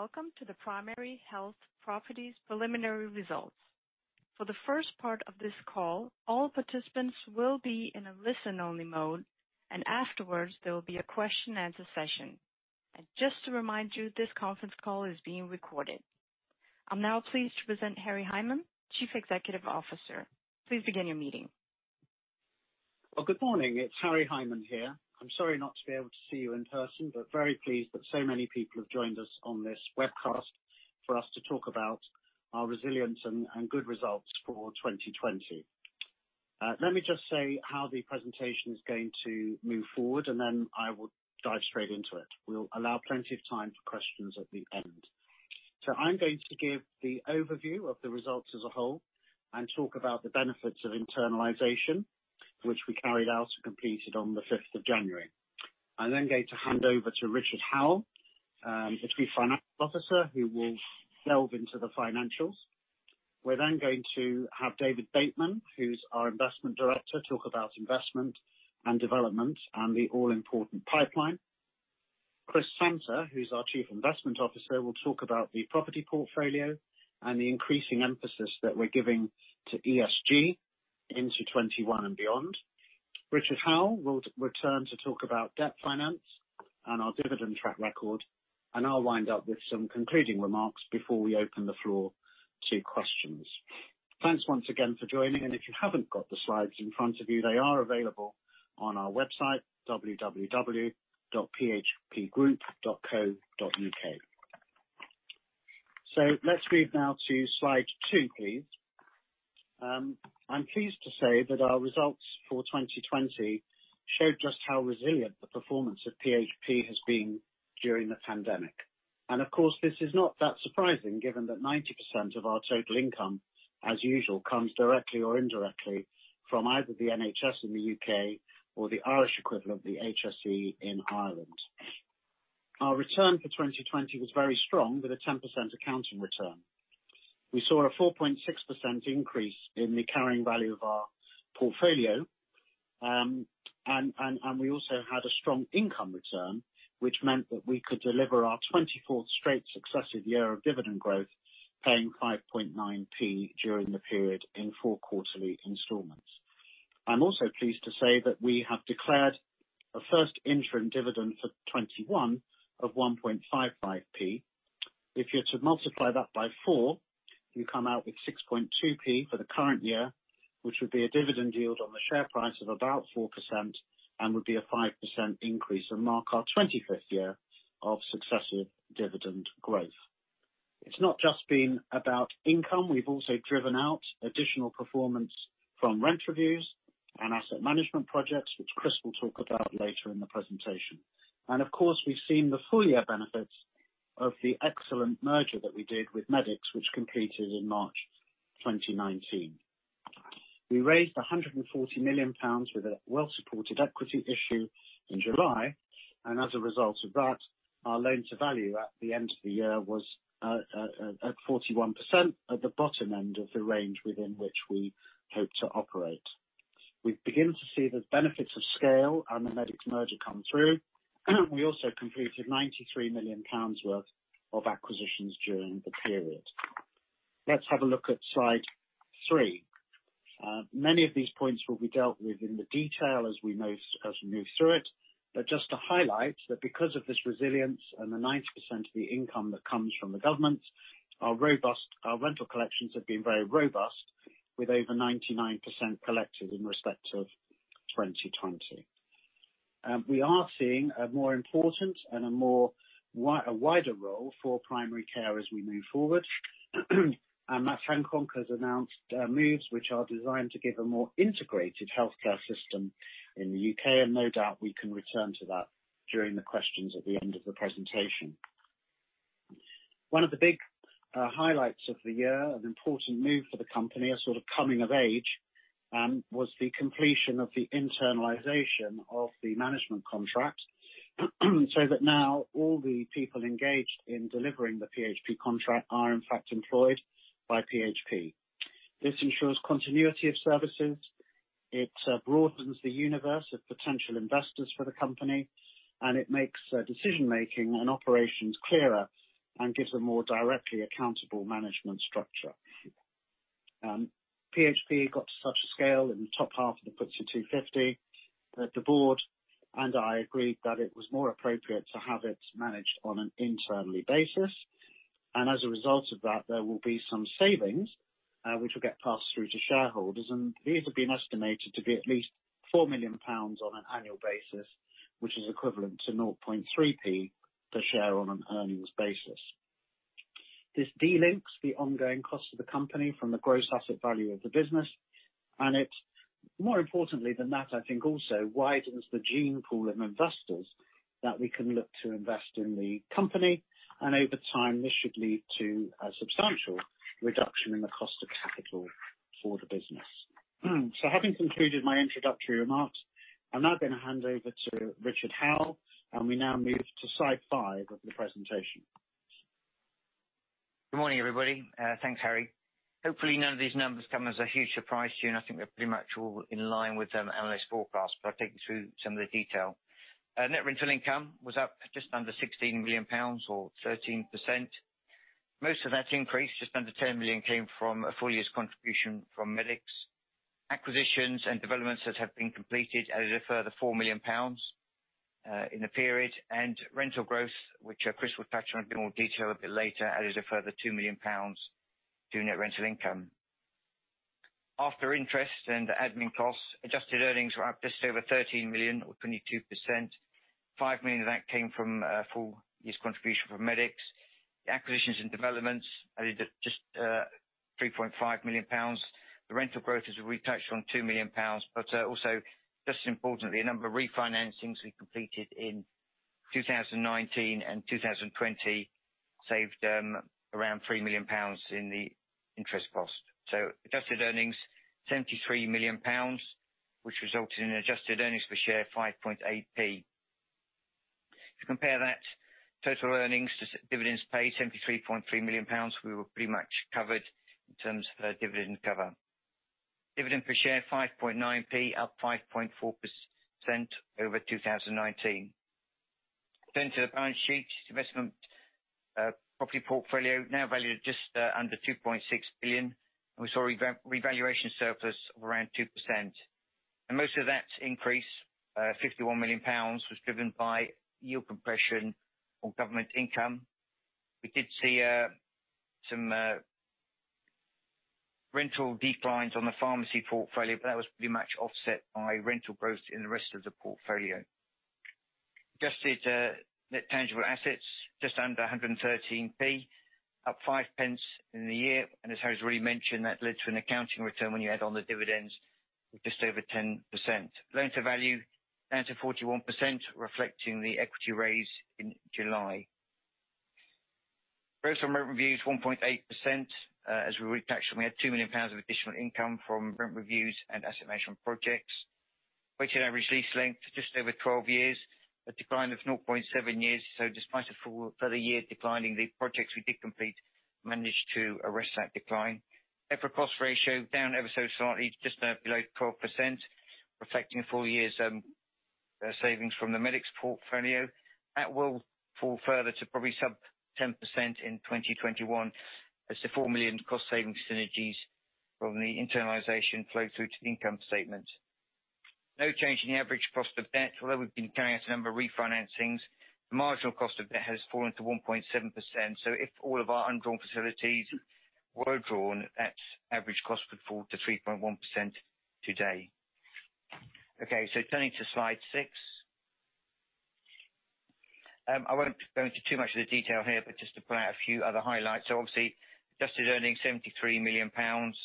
Welcome to the Primary Health Properties Preliminary Results. For the first part of this call, all participants will be in a listen-only mode, and afterwards, there will be a question answer session. Just to remind you, this conference call is being recorded. I'm now pleased to present Harry Hyman, Chief Executive Officer. Please begin your meeting. Well, Good morning. It's Harry Hyman here. I'm sorry not to be able to see you in person, but very pleased that so many people have joined us on this webcast for us to talk about our resilience and good results for 2020. Let me just say how the presentation is going to move forward, and then I will dive straight into it. We'll allow plenty of time for questions at the end. I'm going to give the overview of the results as a whole, and talk about the benefits of internalization, which we carried out and completed on the 5th of January. I'm then going to hand over to Richard Howell, the Chief Financial Officer, who will delve into the financials. We're then going to have David Bateman, who's our Investment Director, talk about investment and development and the all-important pipeline. Chris Santer, who's our Chief Investment Officer, will talk about the property portfolio and the increasing emphasis that we're giving to ESG into 2021 and beyond. Richard Howell will return to talk about debt finance and our dividend track record, and I'll wind up with some concluding remarks before we open the floor to questions. Thanks once again for joining, and if you haven't got the slides in front of you, they are available on our website, www.phpgroup.co.uk. Let's move now to slide two, please. I'm pleased to say that our results for 2020 show just how resilient the performance of PHP has been during the pandemic. Of course, this is not that surprising given that 90% of our total income, as usual, comes directly or indirectly from either the NHS in the U.K. or the Irish equivalent, the HSE, in Ireland. Our return for 2020 was very strong with a 10% accounting return. We saw a 4.6% increase in the carrying value of our portfolio, and we also had a strong income return, which meant that we could deliver our 24th straight successive year of dividend growth, paying 0.059 during the period in four quarterly installments. I'm also pleased to say that we have declared a first interim dividend for 2021 of 0.0155. If you're to multiply that by 4, you come out with 0.062 for the current year, which would be a dividend yield on the share price of about 4% and would be a 5% increase and mark our 25th year of successive dividend growth. It's not just been about income. We've also driven out additional performance from rent reviews and asset management projects, which Chris will talk about later in the presentation. Of course, we've seen the full year benefits of the excellent merger that we did with MedicX, which completed in March 2019. We raised 140 million pounds with a well-supported equity issue in July, and as a result of that, our loan-to-value at the end of the year was at 41%, at the bottom end of the range within which we hope to operate. We begin to see the benefits of scale and the MedicX merger come through. We also completed 93 million pounds worth of acquisitions during the period. Let's have a look at slide three. Many of these points will be dealt with in the detail as we move through it. Just to highlight that because of this resilience and the 90% of the income that comes from the government, our rental collections have been very robust with over 99% collected in respect of 2020. We are seeing a more important and a more wider role for primary care as we move forward. Matt Hancock has announced moves which are designed to give a more integrated healthcare system in the U.K., and no doubt we can return to that during the questions at the end of the presentation. One of the big highlights of the year, an important move for the company, a sort of coming of age, was the completion of the internalization of the management contract, so that now all the people engaged in delivering the PHP contract are in fact employed by PHP. This ensures continuity of services, it broadens the universe of potential investors for the company, and it makes decision-making and operations clearer and gives a more directly accountable management structure. PHP got to such a scale in the top half of the FTSE 250 that the board and I agreed that it was more appropriate to have it managed on an internal basis. As a result of that, there will be some savings, which will get passed through to shareholders, and these have been estimated to be at least 4 million pounds on an annual basis, which is equivalent to 0.003 per share on an earnings basis. This delinks the ongoing cost of the company from the gross asset value of the business. It, more importantly than that, I think also widens the gene pool of investors that we can look to invest in the company. Over time, this should lead to a substantial reduction in the cost of capital for the business. Having concluded my introductory remarks, I'm now gonna hand over to Richard Howell, and we now move to slide five of the presentation. Good morning everybody. Thanks Harry. Hopefully none of these numbers come as a huge surprise to you and I think we're pretty much all in line with the analyst forecast, but I'll take you through some of the detail. Net Rental Income was up just under 16 million pounds or 13%. Most of that increase, just under 10 million, came from a full year's contribution from MedicX. Acquisitions and developments that have been completed added a further 4 million pounds, in the period. Rental growth, which, Chris will touch on in more detail a bit later, added a further 2 million pounds to Net Rental Income. After interest and admin costs, adjusted earnings were up just over 13 million or 22%. 5 million of that came from a full year's contribution from MedicX.The acquisitions and developments added just 3.5 million pounds. The rental growth, as we touched on, 2 million pounds. Also, just as importantly, a number of refinancings we completed in 2019 and 2020 saved around 3 million pounds in the interest cost. Adjusted earnings, 73 million pounds, which resulted in an adjusted earnings per share of 0.058, If you compare that total earnings to dividends paid, GBP 73.3 million, we were pretty much covered in terms of dividend cover. Dividend per share, 0.059 up 5.4% over 2019. To the balance sheet, investment property portfolio now valued at just under 2.6 billion. We saw a revaluation surplus of around 2%. Most of that increase, 51 million pounds, was driven by yield compression on government income. We did see some rental declines on the pharmacy portfolio, but that was pretty much offset by rental growth in the rest of the portfolio. Adjusted net tangible assets, just under 1.13, up 0.05 in the year. As Harry's already mentioned, that led to an accounting return when you add on the dividends of just over 10%. Loan-to-value, down to 41%, reflecting the equity raise in July. Growth on rent reviews, 1.8%. As we already touched on, we had 2 million pounds of additional income from rent reviews and indexation projects. Weighted average lease length, just over 12 years, a decline of 0.7 years. Despite a full further year declining, the projects we did complete managed to arrest that decline. EPRA cost ratio down ever so slightly, just below 12%, reflecting a full year's savings from the MedicX portfolio. That will fall further to probably sub 10% in 2021 as the 4 million cost saving synergies from the internalization flow through to the income statement. No change in the average cost of debt. Although we've been carrying out a number of refinancings, the marginal cost of debt has fallen to 1.7%. If all of our undrawn facilities were drawn, that average cost would fall to 3.1% today. Okay, turning to slide six. I won't go into too much of the detail here, but just to point out a few other highlights. Obviously, adjusted earnings 73 million pounds.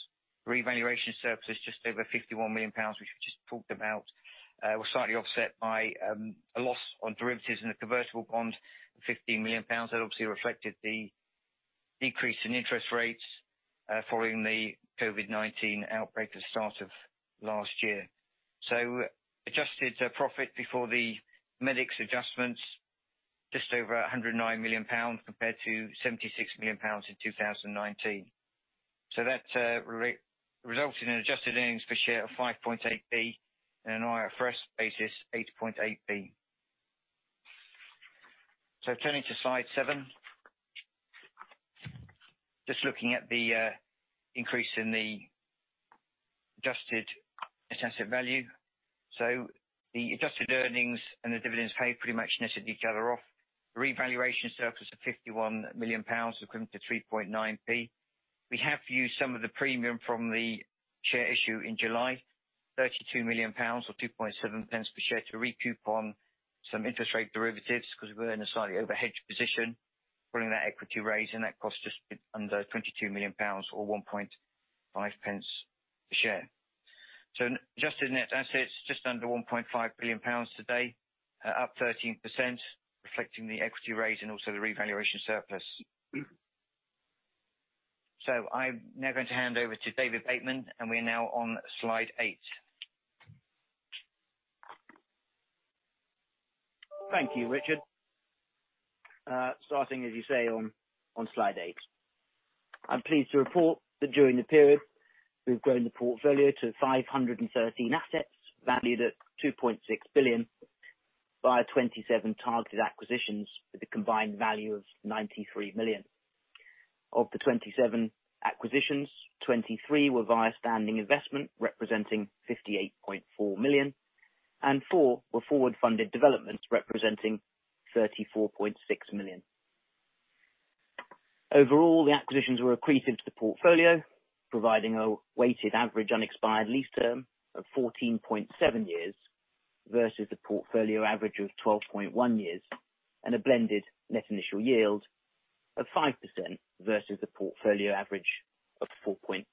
Revaluation surplus just over 51 million pounds, which we've just talked about, was slightly offset by a loss on derivatives in the convertible bond, GBP 15 million. That obviously reflected the decrease in interest rates following the COVID-19 outbreak at the start of last year. Adjusted profit before the MedicX adjustments, just over 109 million pounds compared to 76 million pounds in 2019. That resulted in adjusted earnings per share of 0.058 And an IFRS basis, 0.088. Turning to slide seven. Just looking at the increase in the adjusted net asset value. The adjusted earnings and the dividends paid pretty much netted each other off. Revaluation surplus of 51 million pounds equivalent to 0.039. We have used some of the premium from the share issue in July, 32 million pounds or 0.027 per share, to recoup on some interest rate derivatives because we were in a slightly overhedged position following that equity raise, and that cost just under 22 million pounds or 0.015 per share. Adjusted net assets, just under 1.5 billion pounds today, up 13%, reflecting the equity raise and also the revaluation surplus. I'm now going to hand over to David Bateman, and we're now on slide eight. Thank you Richard. Starting as you say, on slide eight. I'm pleased to report that during the period, we've grown the portfolio to 513 assets valued at 2.6 billion via 27 targeted acquisitions with a combined value of 93 million. Of the 27 acquisitions, 23 were via standing investment, representing 58.4 million, and four were forward-funded developments representing 34.6 million. Overall, the acquisitions were accretive to the portfolio, providing a weighted average unexpired Lease Term of 14.7 years versus the portfolio average of 12.1 years and a blended net initial yield of 5% versus the portfolio average of 4.8%.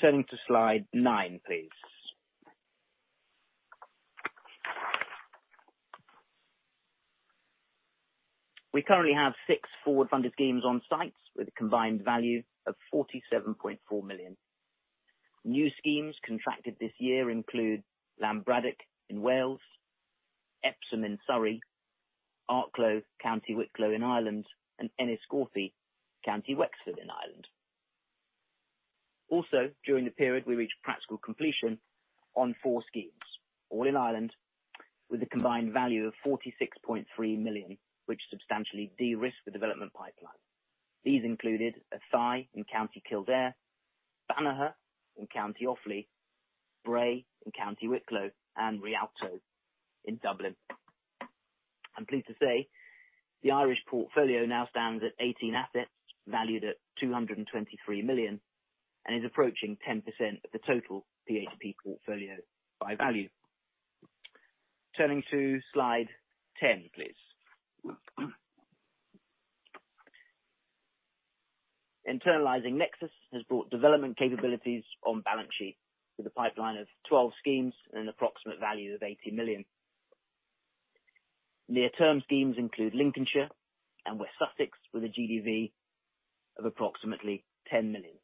Turning to slide nine, please. We currently have six forward-funded schemes on sites with a combined value of 47.4 million. New schemes contracted this year include Llanbradach in Wales, Epsom in Surrey, Arklow, County Wicklow in Ireland, and Enniscorthy, County Wexford in Ireland. Also, during the period, we reached practical completion on four schemes, all in Ireland, with a combined value of 46.3 million, which substantially de-risked the Development Pipeline. These included Athy in County Kildare, Banagher in County Offaly, Bray in County Wicklow, and Rialto in Dublin. I'm pleased to say the Irish portfolio now stands at 18 assets valued at 223 million and is approaching 10% of the total PHP portfolio by value. Turning to slide 10, please. Internalizing Nexus has brought development capabilities on balance sheet with a pipeline of 12 schemes and an approximate value of 80 million. Near-term schemes include Lincolnshire and West Sussex, with a GDV of approximately 10 million.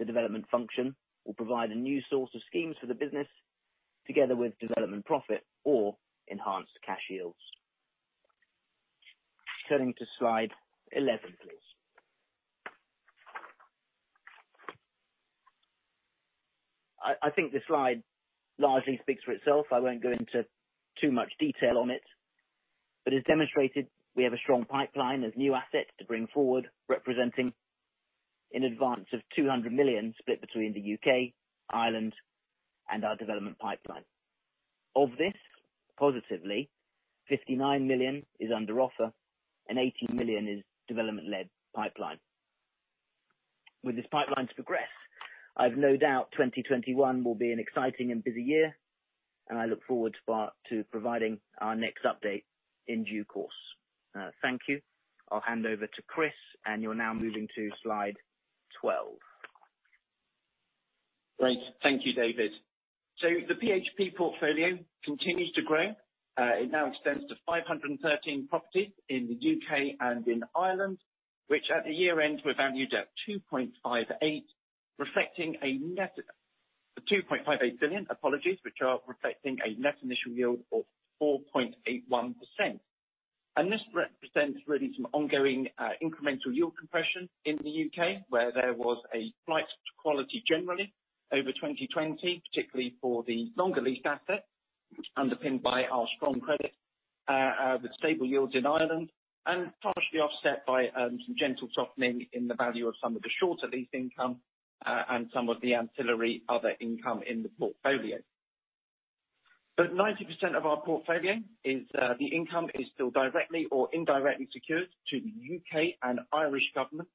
The development function will provide a new source of schemes for the business together with development profit or enhanced cash yields. Turning to slide 11, please. I think this slide largely speaks for itself. I won't go into too much detail on it, but as demonstrated, we have a strong pipeline of new assets to bring forward, representing in excess of 200 million split between the U.K., Ireland, and our Development Pipeline. Of this, positively, 59 million is under offer and 18 million is development-led pipeline. With this pipeline to progress, I've no doubt 2021 will be an exciting and busy year, and I look forward to providing our next update in due course. Thank you. I'll hand over to Chris, and you're now moving to slide 12. Great. Thank you David. The PHP portfolio continues to grow. It now extends to 513 properties in the U.K. and in Ireland, which at the year-end were valued at 2.58 billion, apologies, which are reflecting a net initial yield of 4.81%. This represents really some ongoing incremental yield compression in the U.K., where there was a slight quality generally over 2020, particularly for the longer leased assets underpinned by our strong credit with stable yields in Ireland and partially offset by some gentle softening in the value of some of the shorter lease income and some of the ancillary other income in the portfolio. 90% of our portfolio is the income is still directly or indirectly secured to the U.K. and Irish government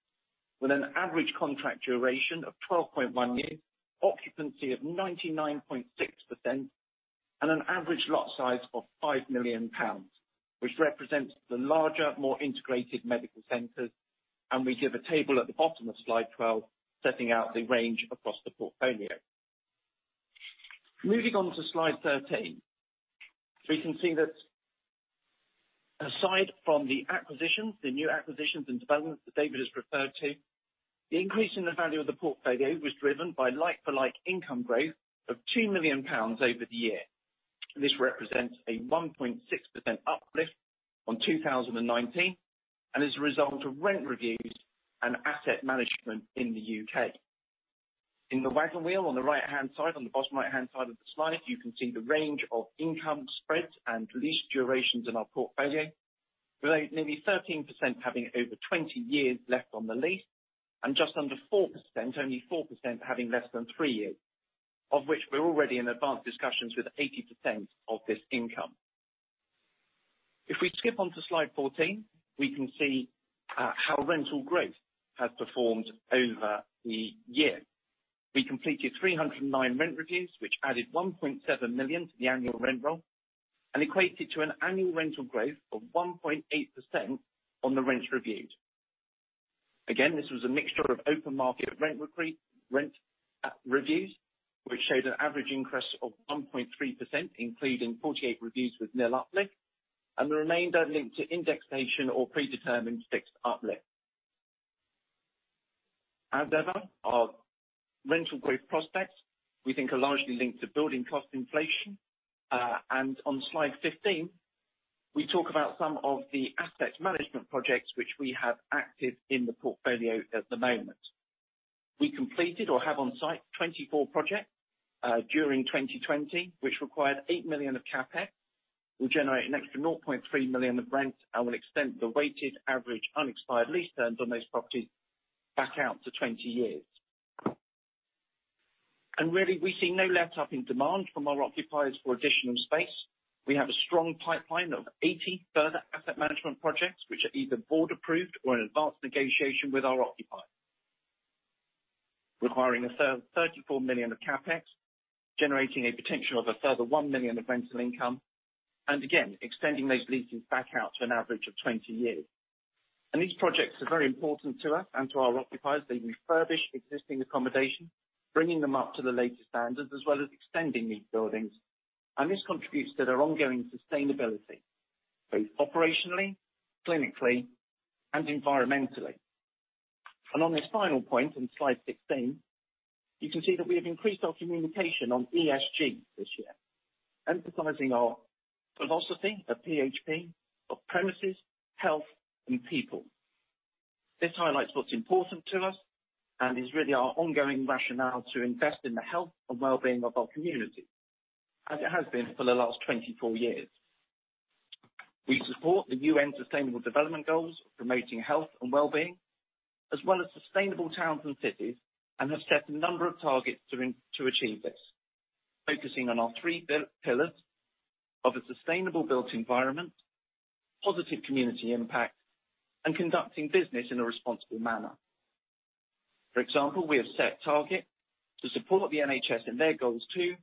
with an average contract duration of 12.1 years, occupancy of 99.6% and an average lot size of 5 million pounds, which represents the larger, more integrated medical centers, and we give a table at the bottom of slide 12 setting out the range across the portfolio. Moving on to slide 13. We can see that aside from the acquisitions, the new acquisitions and developments that David has referred to, the increase in the value of the portfolio was driven by like-for-like income growth of 2 million pounds over the year. This represents a 1.6% uplift on 2019 and is a result of rent reviews and asset management in the U.K. In the wagon wheel on the right-hand side, on the bottom right-hand side of the slide, you can see the range of income spreads and lease durations in our portfolio, with nearly 13% having over 20 years left on the lease and just under 4%, only 4%, having less than three years, of which we're already in advanced discussions with 80% of this income. If we skip on to slide 14, we can see how rental growth has performed over the year. We completed 309 rent reviews, which added 1.7 million to the annual rent roll and equated to an annual rental growth of 1.8% on the rents reviewed. This was a mixture of open market rent reviews, which showed an average increase of 1.3%, including 48 reviews with nil uplift, and the remainder linked to indexation or predetermined fixed uplift. As ever, our rental growth prospects we think are largely linked to building cost inflation. On slide 15, we talk about some of the asset management projects which we have active in the portfolio at the moment. We completed or have on site 24 projects during 2020, which required 8 million of CapEx. We generate an extra 0.3 million of rent and will extend the weighted average unexpired Lease Terms on those properties back out to 20 years. Really, we see no letup in demand from our occupiers for additional space. We have a strong pipeline of 80 further asset management projects, which are either board-approved or in advanced negotiation with our occupiers, requiring 34 million of CapEx, generating a potential of a further 1 million of rental income, and again, extending those leases back out to an average of 20 years. These projects are very important to us and to our occupiers. They refurbish existing accommodation, bringing them up to the latest standards as well as extending these buildings. This contributes to their ongoing sustainability. Both operationally, clinically, and environmentally. On this final point, on slide 16, you can see that we have increased our communication on ESG this year, emphasizing our philosophy at PHP of premises, health, and people. This highlights what's important to us and is really our ongoing rationale to invest in the health and wellbeing of our community, as it has been for the last 24 years. We support the UN Sustainable Development Goals, promoting health and wellbeing, as well as sustainable towns and cities, and have set a number of targets to achieve this, focusing on our three pillars of a sustainable built environment, positive community impact, and conducting business in a responsible manner. For example, we have set targets to support the NHS in their goals too,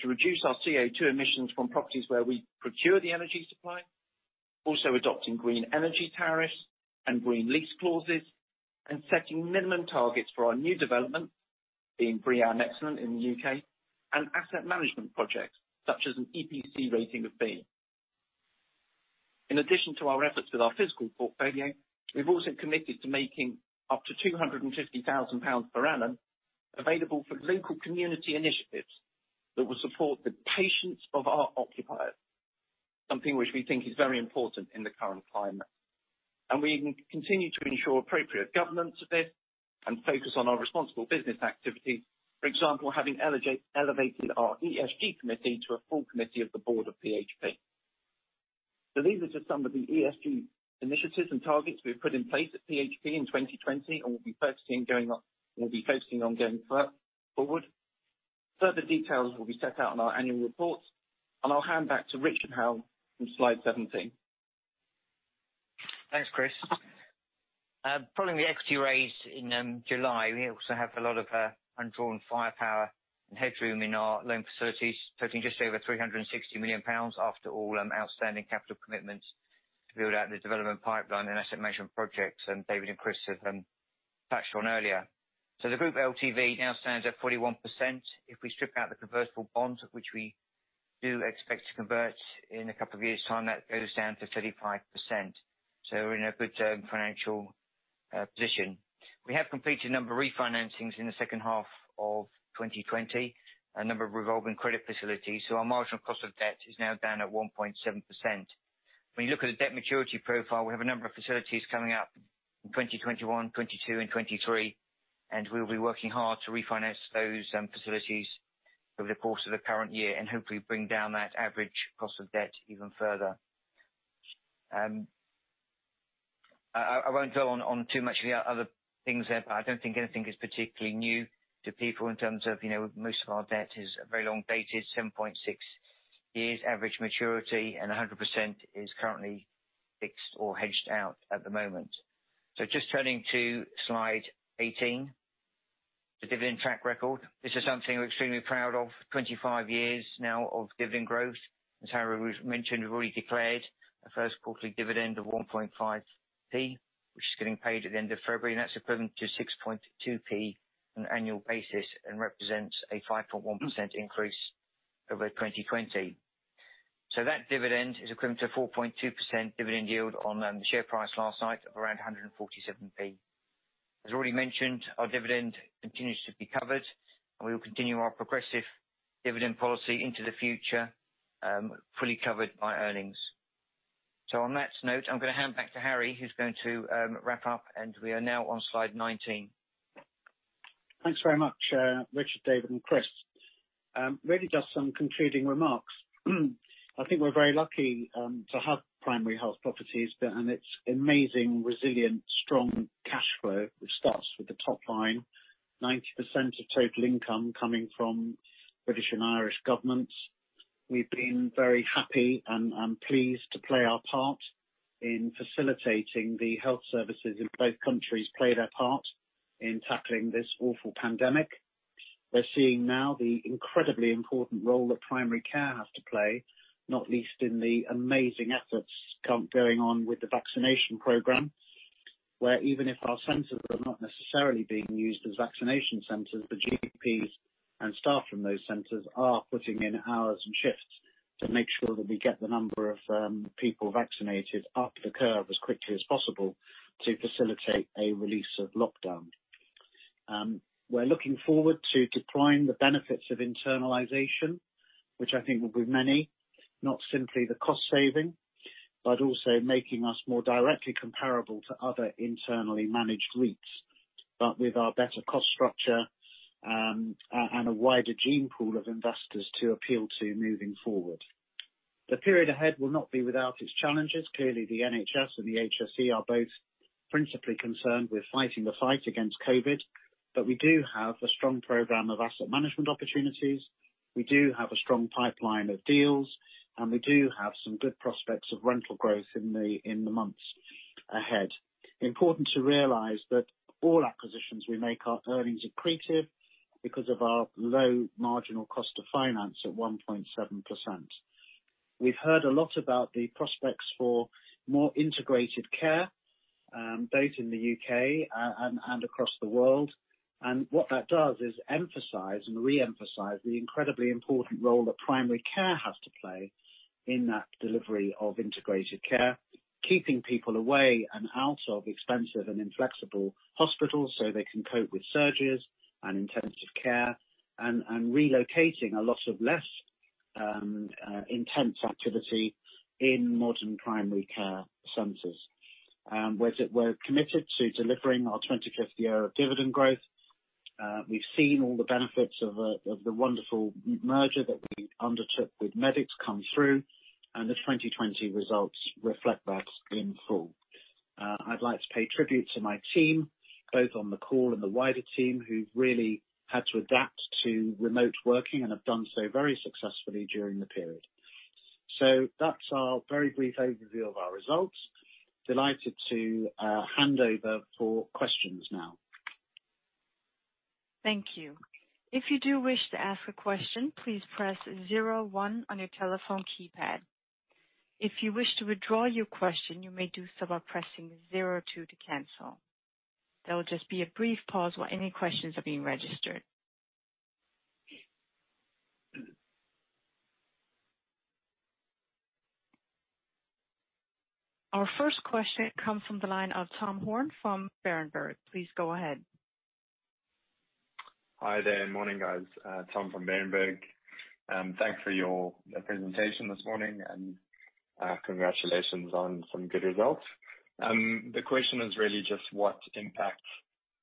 to reduce our CO2 emissions from properties where we procure the energy supply, also adopting green energy tariffs and green lease clauses, and setting minimum targets for our new development in BREEAM Excellent in the U.K., and asset management projects, such as an EPC rating of B. In addition to our efforts with our physical portfolio, we've also committed to making up to 250,000 pounds per annum available for local community initiatives that will support the patients of our occupiers, something which we think is very important in the current climate. We continue to ensure appropriate governance of this and focus on our responsible business activity. For example, having elevated our ESG committee to a full committee of the board of PHP. These are just some of the ESG initiatives and targets we've put in place at PHP in 2020, and we'll be focusing on going forward. Further details will be set out in our annual reports, and I'll hand back to Richard Howell on slide 17. Thanks Chris. Following the equity raise in July, we also have a lot of undrawn firepower and headroom in our loan facilities, totaling just over 360 million pounds after all outstanding capital commitments to build out the Development Pipeline and asset management projects, and David and Chris have touched on earlier. The group LTV now stands at 41%. If we strip out the convertible bonds, which we do expect to convert in a couple of years' time, that goes down to 35%. We're in a good financial position. We have completed a number of refinancings in the second half of 2020, a number of revolving credit facilities, so our marginal cost of debt is now down at 1.7%. When you look at the debt maturity profile, we have a number of facilities coming up in 2021, 2022, and 2023, and we'll be working hard to refinance those facilities over the course of the current year and hopefully bring down that average cost of debt even further. I won't go on too much of the other things there, but I don't think anything is particularly new to people in terms of, you know, most of our debt is very long dated, 7.6 years average maturity, and 100% is currently fixed or hedged out at the moment. Just turning to slide 18, the dividend track record. This is something we're extremely proud of 25 years now of dividend growth. Harry has mentioned, we've already declared our first quarterly dividend of 0.015, which is getting paid at the end of February, and that's equivalent to 6.2p on an annual basis and represents a 5.1% increase over 2020. That dividend is equivalent to 4.2% dividend yield on the share price last night of around 1.47. As already mentioned, our dividend continues to be covered, and we will continue our progressive dividend policy into the future, fully covered by earnings. On that note, I'm gonna hand back to Harry, who's going to wrap up, and we are now on slide 19. Thanks very much, Richard, David, and Chris. Really just some concluding remarks. I think we're very lucky to have Primary Health Properties and its amazing, resilient, strong cashflow, which starts with the top line, 90% of total income coming from British and Irish governments. We've been very happy and pleased to play our part in facilitating the health services in both countries play their part in tackling this awful pandemic. We're seeing now the incredibly important role that primary care has to play, not least in the amazing efforts going on with the vaccination program. Where even if our centers are not necessarily being used as vaccination centers, the GPs and staff from those centers are putting in hours and shifts to make sure that we get the number of people vaccinated up the curve as quickly as possible to facilitate a release of lockdown. We're looking forward to deploying the benefits of internalization, which I think will be many, not simply the cost saving, but also making us more directly comparable to other internally managed REITs, but with our better cost structure, and a wider gene pool of investors to appeal to moving forward. The period ahead will not be without its challenges. Clearly, the NHS and the HSE are both principally concerned with fighting the fight against COVID, but we do have a strong program of asset management opportunities. We do have a strong pipeline of deals, and we do have some good prospects of rental growth in the months ahead. Important to realize that all acquisitions we make are earnings accretive because of our low marginal cost of finance at 1.7%. We've heard a lot about the prospects for more integrated care, both in the U.K. and across the world. What that does is emphasize and re-emphasize the incredibly important role that primary care has to play in that delivery of integrated care, keeping people away and out of expensive and inflexible hospitals so they can cope with surgeries and intensive care and relocating a lot of less intense activity in modern primary care centers. We're committed to delivering our 25th year of dividend growth. We've seen all the benefits of the wonderful merger that we undertook with MedicX come through, and the 2020 results reflect that in full. I'd like to pay tribute to my team, both on the call and the wider team, who've really had to adapt to remote working and have done so very successfully during the period. That's our very brief overview of our results. Delighted to hand over for questions now. Thank you. If you do wish to ask a question, please press zero one on your telephone keypad. If you wish to withdraw your question, you may do so by pressing zero two to cancel. There will just be a brief pause while any questions are being registered. Our first question comes from the line of Tom Horn from Berenberg. Please go ahead. Hi there, morning, guys. Tom from Berenberg. Thanks for your presentation this morning, and congratulations on some good results. The question is really just what impact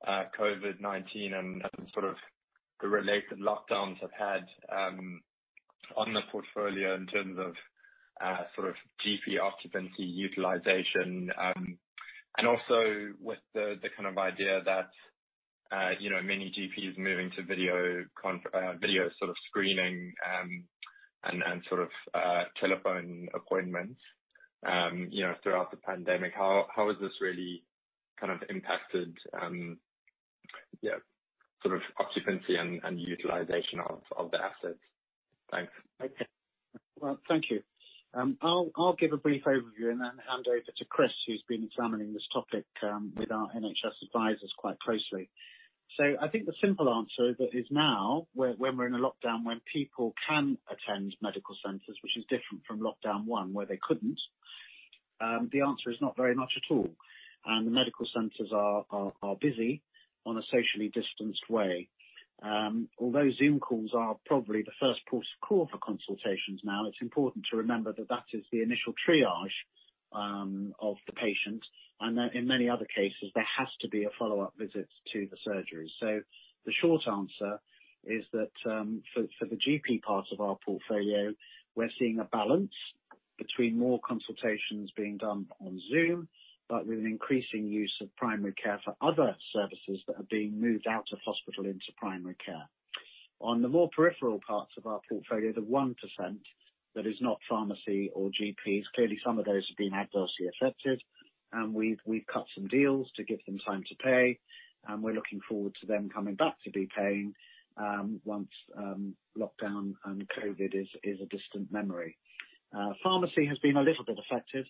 COVID-19 and sort of the related lockdowns have had on the portfolio in terms of sort of GP occupancy utilization. Also with the kind of idea that, you know, many GPs moving to video sort of screening and sort of telephone appointments, you know, throughout the pandemic. How has this really kind of impacted, yeah, sort of occupancy and utilization of the assets? Thanks. Okay well, thank you. I'll give a brief overview and then hand over to Chris, who's been examining this topic with our NHS advisors quite closely. I think the simple answer that is now, where when we're in a lockdown, when people can attend medical centers, which is different from lockdown one where they couldn't, the answer is not very much at all. The medical centers are busy in a socially distanced way. Although Zoom calls are probably the first port of call for consultations now, it's important to remember that that is the initial triage of the patient. Then in many other cases, there has to be a follow-up visit to the surgery. The short answer is that, for the GP part of our portfolio, we're seeing a balance between more consultations being done on Zoom, but with an increasing use of primary care for other services that are being moved out of hospital into primary care. On the more peripheral parts of our portfolio, the 1% that is not pharmacy or GPs, clearly some of those have been adversely affected, and we've cut some deals to give them time to pay, and we're looking forward to them coming back to be paying, once lockdown and COVID is a distant memory. Pharmacy has been a little bit affected,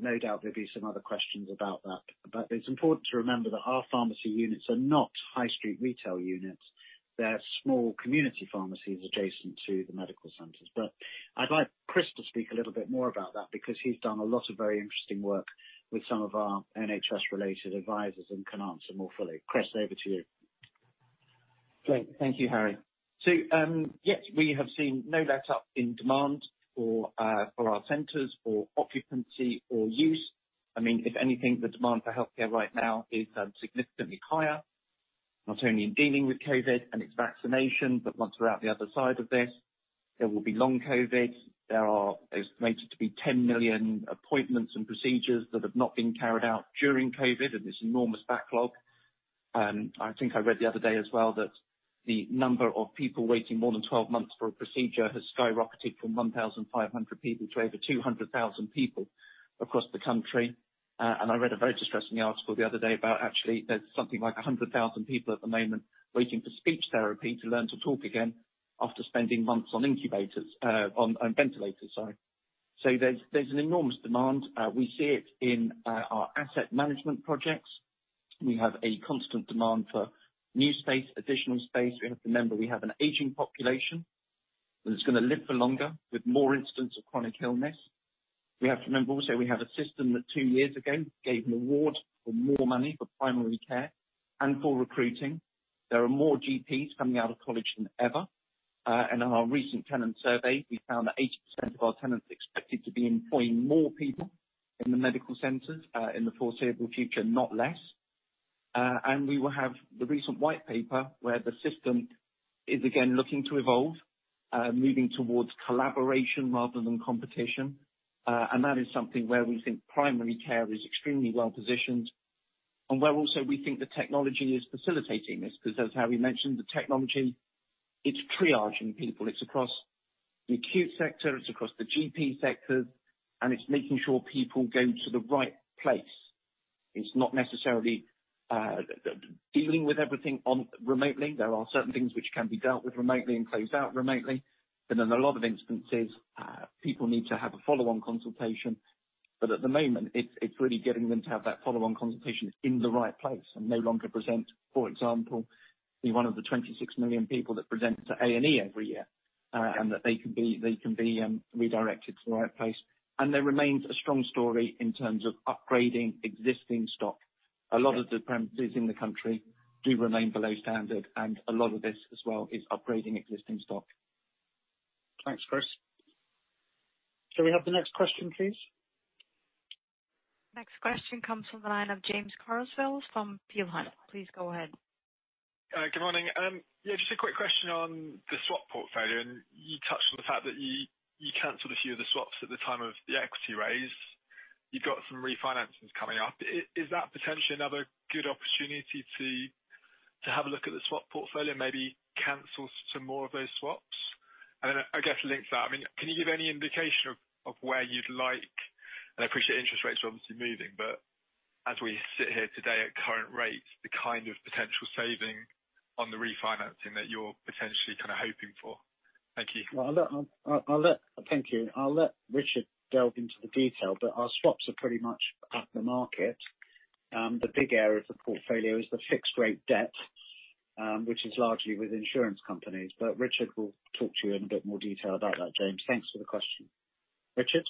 no doubt there'll be some other questions about that. It's important to remember that our pharmacy units are not high street retail units. They're small community pharmacies adjacent to the medical centers. I'd like Chris to speak a little bit more about that because he's done a lot of very interesting work with some of our NHS-related advisors and can answer more fully. Chris, over to you. Great. Thank you Harry. Yes, we have seen no letup in demand for for our centers or occupancy or use. I mean, if anything, the demand for healthcare right now is significantly higher, not only in dealing with COVID and its vaccination, but once we're out the other side of this, there will be long COVID. There are estimated to be 10 million appointments and procedures that have not been carried out during COVID and this enormous backlog. I think I read the other day as well that the number of people waiting more than 12 months for a procedure has skyrocketed from 1,500 people to over 200,000 people across the country. I read a very distressing article the other day about actually there's something like 100,000 people at the moment waiting for speech therapy to learn to talk again after spending months on incubators, on ventilators, sorry. There's an enormous demand. We see it in our asset management projects. We have a constant demand for new space, additional space. We have to remember, we have an aging population that is gonna live for longer with more instances of chronic illness. We have to remember also we have a system that two years ago gave an award for more money for primary care and for recruiting. There are more GPs coming out of college than ever. In our recent tenant survey, we found that 80% of our tenants expected to be employing more people in the medical centers, in the foreseeable future, not less. We will have the recent white paper where the system is again looking to evolve, moving towards collaboration rather than competition. That is something where we think primary care is extremely well positioned and where also we think the technology is facilitating this because as Harry mentioned, the technology, it's triaging people. It's across the acute sector, it's across the GP sectors, and it's making sure people go to the right place. It's not necessarily Dealing with everything remotely. There are certain things which can be dealt with remotely and closed out remotely. In a lot of instances, people need to have a follow-on consultation. At the moment, it's really getting them to have that follow-on consultation in the right place and no longer present, for example, be one of the 26 million people that present to A&E every year. They can be redirected to the right place. There remains a strong story in terms of upgrading existing stock. A lot of the premises in the country do remain below standard, and a lot of this as well is upgrading existing stock. Thanks, Chris. Can we have the next question, please? Next question comes from the line of James Carswell from Peel Hunt. Please go ahead. Good morning. Yeah, just a quick question on the swap portfolio. You touched on the fact that you canceled a few of the swaps at the time of the equity raise. You've got some refinances coming up. Is that potentially another good opportunity to have a look at the swap portfolio, maybe cancel some more of those swaps? I guess linked to that, I mean, can you give any indication of where you'd like, and I appreciate interest rates are obviously moving, but as we sit here today at current rates, the kind of potential saving on the refinancing that you're potentially kind of hoping for? Thank you. Well, I'll let Richard delve into the detail, but our swaps are pretty much at the market. The big area of the portfolio is the fixed rate debt, which is largely with insurance companies. Richard will talk to you in a bit more detail about that, James. Thanks for the question. Richard?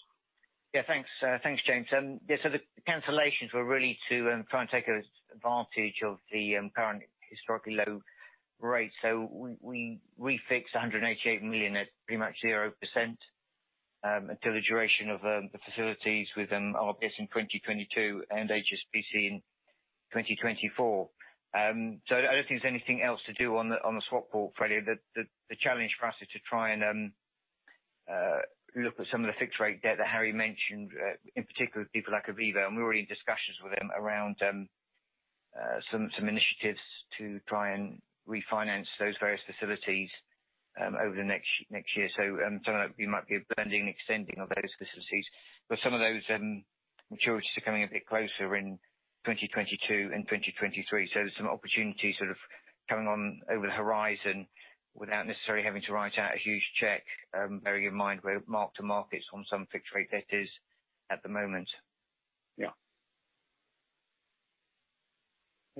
Yeah thanks. Thanks James. Yeah, the cancellations were really to try and take an advantage of the current historically low rates. We refixed 188 million at pretty much 0% until the duration of the facilities with RBS in 2022 and HSBC in 2024. I don't think there's anything else to do on the swap portfolio. The challenge for us is to try and look at some of the fixed rate debt that Harry mentioned, in particular with people like Aviva, and we're already in discussions with them around some initiatives to try and refinance those various facilities over the next year. Some of it might be a blend and extend of those facilities, but some of those maturities are coming a bit closer in 2022 and 2023. There's some opportunities sort of coming on over the horizon without necessarily having to write out a huge check, bearing in mind we're mark to market on some fixed rate debts at the moment. Yeah.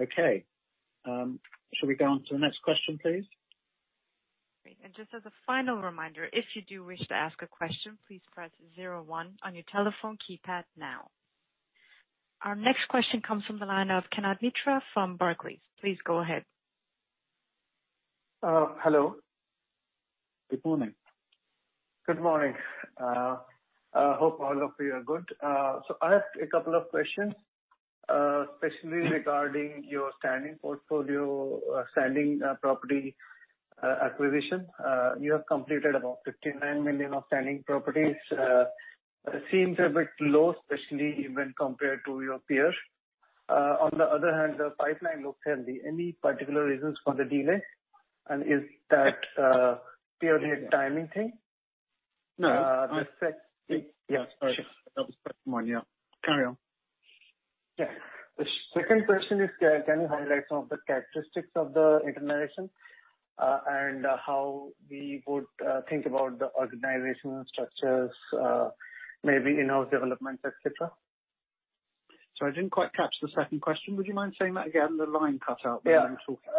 Okay. Shall we go on to the next question, please? Great. Just as a final reminder, if you do wish to ask a question, please press zero one on your telephone keypad now. Our next question comes from the line of Kanad Mitra from Barclays. Please go ahead. Hello. Good morning. Good morning. I hope all of you are good. So I have a couple of questions, especially regarding your standing property acquisition. You have completed about 59 million of standing properties. Seems a bit low, especially when compared to your peers. On the other hand, the pipeline looks healthy. Any particular reasons for the delay? And is that purely a timing thing? No. Uh, the sec- Yeah. Sorry. That was first one, yeah. Carry on. Yeah. The second question is, can you highlight some of the characteristics of the internalization, and how we would think about the organizational structures, maybe in-house developments, et cetera? Sorry, I didn't quite catch the second question. Would you mind saying that again? The line cut out when you were talking.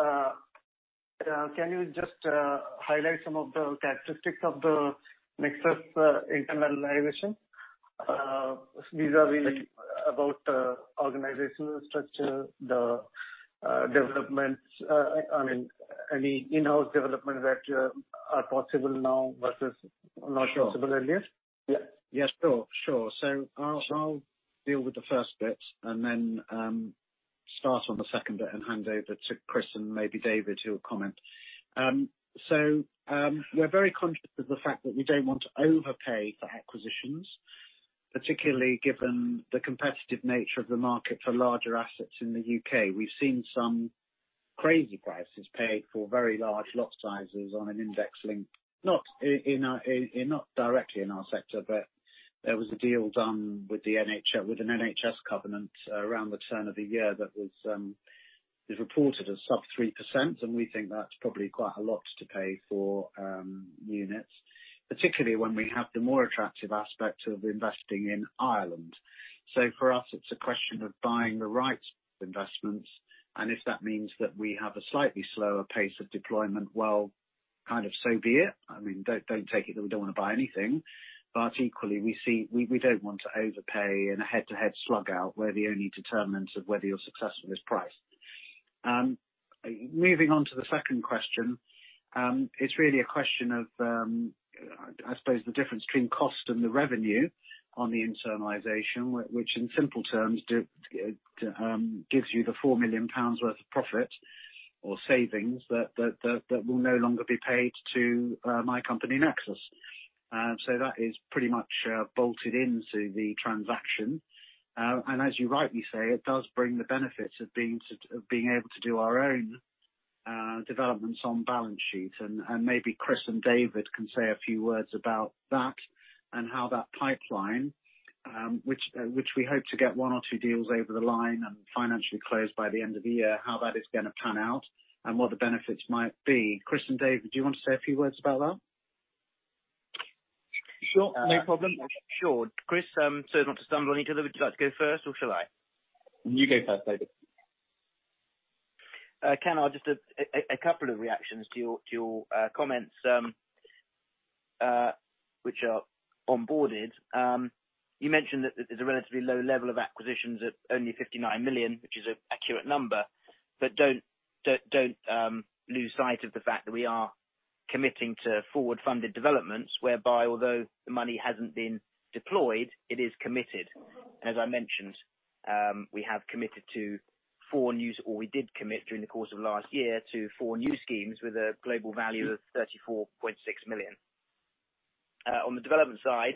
Yeah. Can you just highlight some of the characteristics of the Nexus internalization? Vis-à-vis like about organizational structure, the developments, I mean any in-house developments that are possible now versus not possible earlier? Yeah. Sure. I'll deal with the first bit and then start on the second bit and hand over to Chris and maybe David to comment. We're very conscious of the fact that we don't want to overpay for acquisitions, particularly given the competitive nature of the market for larger assets in the U.K. We've seen some crazy prices paid for very large lot sizes on an index link, not directly in our sector, but there was a deal done with an NHS covenant around the turn of the year that is reported as sub 3%, and we think that's probably quite a lot to pay for units, particularly when we have the more attractive aspect of investing in Ireland. For us, it's a question of buying the right investments, and if that means that we have a slightly slower pace of deployment, well, kind of so be it. I mean, don't take it that we don't wanna buy anything. Equally, we see we don't want to overpay in a head-to-head slug out, where the only determinant of whether you're successful is price. Moving on to the second question, it's really a question of, I suppose the difference between cost and the revenue on the internalization, which in simple terms gives you the 4 million pounds worth of profit or savings that will no longer be paid to my company, Nexus. That is pretty much bolted into the transaction. As you rightly say, it does bring the benefits of being able to do our own developments on balance sheet, and maybe Chris and David can say a few words about that and how that pipeline, which we hope to get one or two deals over the line and financially closed by the end of the year, how that is gonna pan out and what the benefits might be. Chris and David, do you want to say a few words about that? Sure. No problem. Sure. Chris, so as not to stumble on each other, would you like to go first or shall I? You go first, David. Ken, I'll just add a couple of reactions to your comments, which are onboarded. You mentioned that there's a relatively low level of acquisitions at only 59 million, which is an accurate number, but don't lose sight of the fact that we are committing to forward-funded developments whereby although the money hasn't been deployed, it is committed. As I mentioned, we did commit during the course of last year to four new schemes with a global value of 34.6 million. On the development side,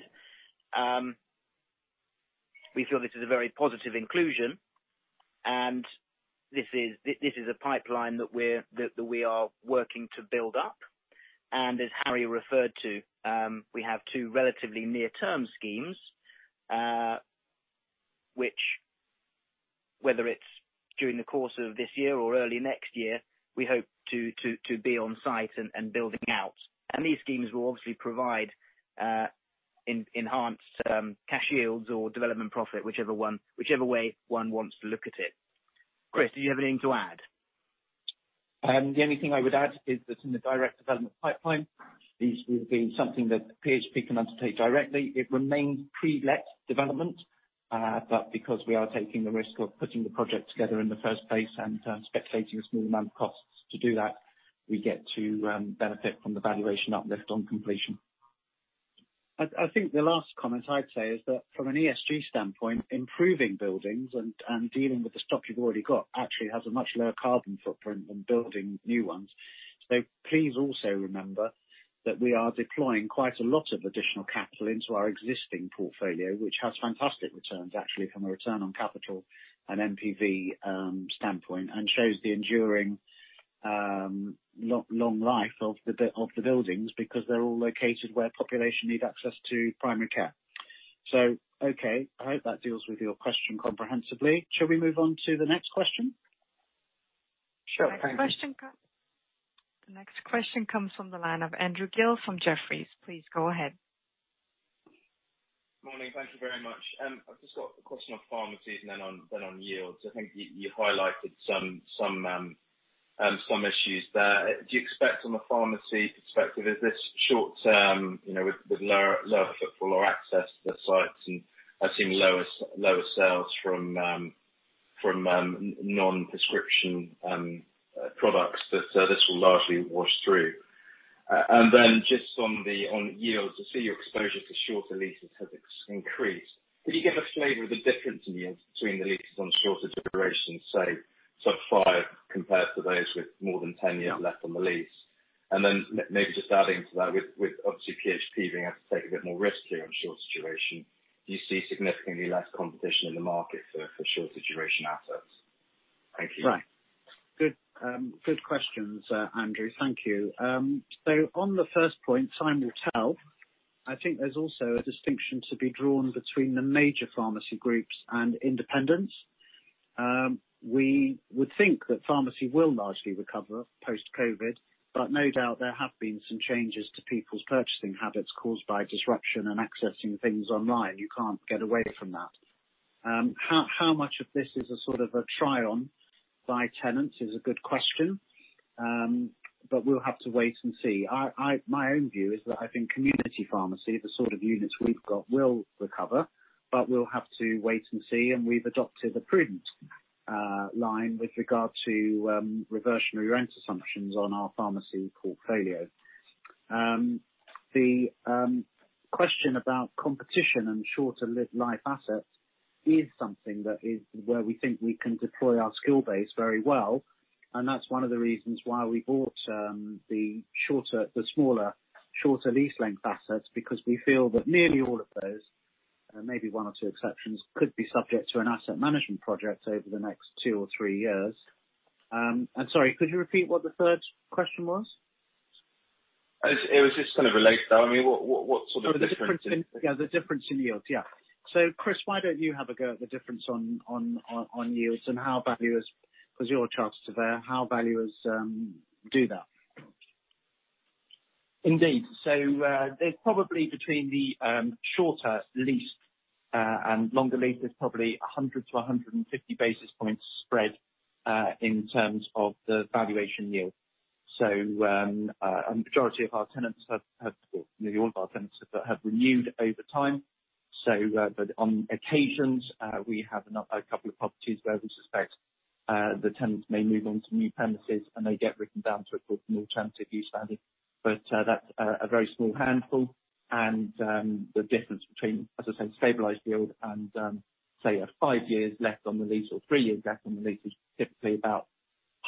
we feel this is a very positive inclusion, and this is a pipeline that we are working to build up. As Harry referred to, we have two relatively near-term schemes, which whether it's during the course of this year or early next year, we hope to be on site and building out. These schemes will obviously provide enhanced cash yields or development profit, whichever way one wants to look at it. Chris, did you have anything to add? The only thing I would add is that in the direct Development Pipeline, this will be something that PHP can undertake directly. It remains pre-let development, but because we are taking the risk of putting the project together in the first place and speculating a small amount of costs to do that, we get to benefit from the valuation uplift on completion. I think the last comment I'd say is that from an ESG standpoint, improving buildings and dealing with the stock you've already got actually has a much lower carbon footprint than building new ones. Please also remember that we are deploying quite a lot of additional capital into our existing portfolio, which has fantastic returns actually from a return on capital and NPV standpoint, and shows the enduring long life of the buildings because they're all located where population need access to primary care. Okay, I hope that deals with your question comprehensively. Shall we move on to the next question? Sure. Thank you. The next question comes from the line of Andrew Gill from Jefferies. Please go ahead. Morning thank you very much. I've just got a question on pharmacies and then on yields. I think you highlighted some issues there. Do you expect from a pharmacy perspective, is this short term, you know, with lower footfall or access to the sites and assuming lower sales from non-prescription products that this will largely wash through? And then just on yields, I see your exposure to shorter leases has increased. Could you give a flavor of the difference in yields between the leases on shorter durations, say sub five compared to those with more than ten years left on the lease? Maybe just adding to that, with obviously PHP being able to take a bit more risk here on shorter duration, do you see significantly less competition in the market for shorter duration assets? Thank you. Right. Good questions, Andrew thank you. So on the first point, time will tell. I think there's also a distinction to be drawn between the major pharmacy groups and independents. We would think that pharmacy will largely recover post-COVID, but no doubt there have been some changes to people's purchasing habits caused by disruption and accessing things online. You can't get away from that. How much of this is a sort of a try on by tenants is a good question, but we'll have to wait and see. My own view is that I think community pharmacy, the sort of units we've got, will recover, but we'll have to wait and see, and we've adopted a prudent line with regard to reversionary rent assumptions on our pharmacy portfolio. The question about competition and shorter-lived lease assets is something that is, where we think we can deploy our skill base very well, and that's one of the reasons why we bought the smaller, shorter lease length assets because we feel that nearly all of those, maybe one or two exceptions, could be subject to an asset management project over the next two or three years. Sorry, could you repeat what the third question was? It was just kind of related to that. I mean, what sort of difference? Oh, the difference in yields. Yeah. Chris, why don't you have a go at the difference on yields and how valuers do that because you're chartered there. Indeed. There's probably between the shorter leased and longer leases probably 100 to 150 basis points spread in terms of the valuation yield. And the majority of our tenants have well nearly all of our tenants have renewed over time. On occasions we have a couple of properties where we suspect the tenants may move on to new premises and they get written down to of course an alternative use value. That's a very small handful and the difference between as I said stabilized yield and say five years left on the lease or three years left on the lease is typically about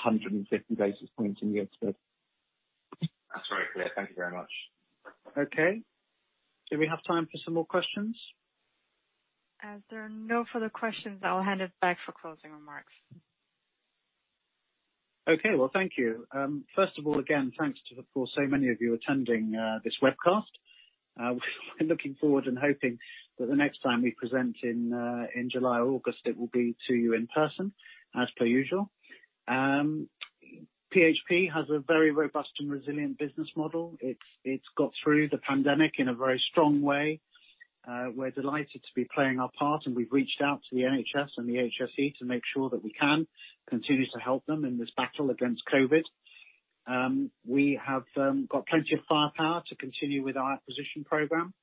150 basis points in yields. That's very clear. Thank you very much. Okay. Do we have time for some more questions? As there are no further questions, I'll hand it back for closing remarks. Okay. Well, thank you. First of all, again, thanks to, of course, so many of you attending this webcast. We're looking forward and hoping that the next time we present in July or August, it will be to you in person as per usual. PHP has a very robust and resilient business model. It's got through the pandemic in a very strong way. We're delighted to be playing our part, and we've reached out to the NHS and the HSE to make sure that we can continue to help them in this battle against COVID. We have got plenty of firepower to continue with our acquisition program.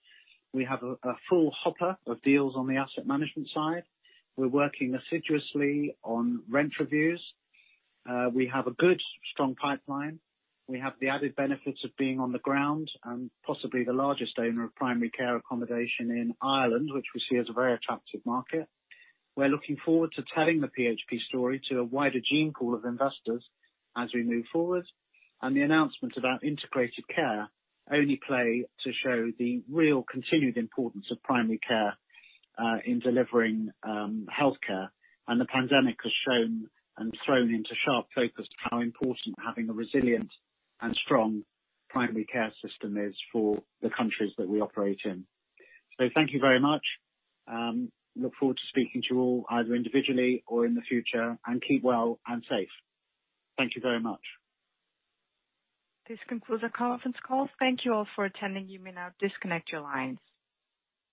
We have a full hopper of deals on the asset management side. We're working assiduously on rent reviews. We have a good, strong pipeline. We have the added benefits of being on the ground and possibly the largest owner of primary care accommodation in Ireland, which we see as a very attractive market. We're looking forward to telling the PHP story to a wider gene pool of investors as we move forward. The announcements about integrated care only play to show the real continued importance of primary care in delivering healthcare. The pandemic has shown and thrown into sharp focus how important having a resilient and strong primary care system is for the countries that we operate in. Thank you very much. I look forward to speaking to you all either individually or in the future, and keep well and safe. Thank you very much. This concludes our conference call. Thank you all for attending. You may now disconnect your lines.